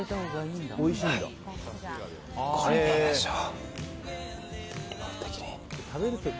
これでいいでしょう。